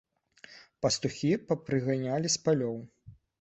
Пастухi папрыганялi з палёў.